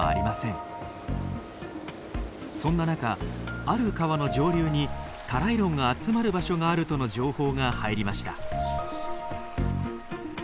そんな中ある川の上流にタライロンが集まる場所があるとの情報が入りました。